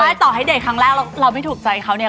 ต่อให้เด็กครั้งแรกแล้วเราไม่ถูกใจเขาเนี่ย